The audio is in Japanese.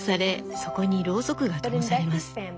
そこにロウソクがともされます。